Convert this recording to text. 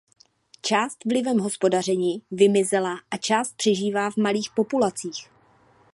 Část vlivem hospodaření vymizela a část přežívá v malých populacích.